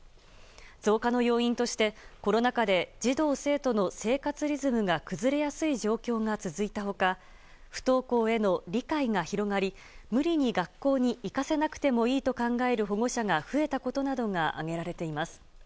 増加の要因としてコロナ禍で児童・生徒の生活リズムが崩れやすい状況が続いた他不登校への理解が広がり無理に学校に行かせなくてもいいと考える保護者が増えたことなどが挙げられています。